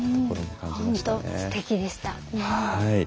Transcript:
本当すてきでした。